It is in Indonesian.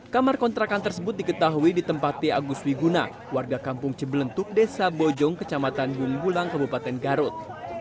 kamar kontrakan tersebut diketahui di tempatnya agus wiguna warga kampung ciblentuk desa bojong kecamatan humbulang kabupaten garut